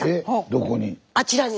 どこに？